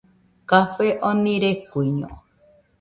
Café oni rekuiño